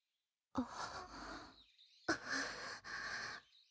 あっ。